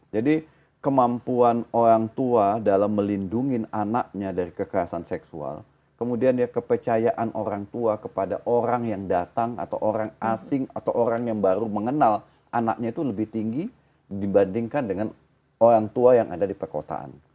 jadi kemampuan orang tua dalam melindungi anaknya dari kekerasan seksual kemudian kepercayaan orang tua kepada orang yang datang atau orang asing atau orang yang baru mengenal anaknya itu lebih tinggi dibandingkan dengan orang tua yang ada di perkotaan